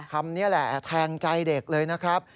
คำนี้แหละแทงใจเด็กเลยนะครับ